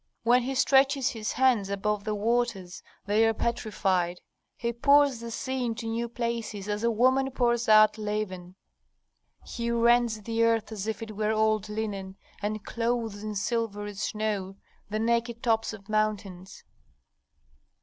"When He stretches His hands above the waters, they are petrified. He pours the sea into new places, as a woman pours out leaven. He rends the earth as if it were old linen, and clothes in silvery snow the naked tops of mountains.